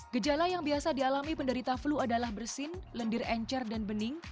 gejala yang biasa dialami penderita flu adalah bersin lendir encer dan bening